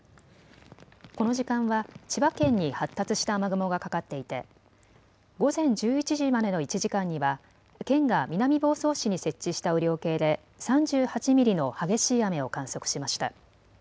この時間は千葉県に発達した雨雲がかかっていて午前１１時までの１時間には県が南房総市に設置した雨量計で３８ミリの激しい雨を観測しました。